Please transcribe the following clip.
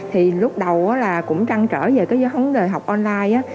thì lúc đầu là cũng trăng trở về cái giới hóa học online á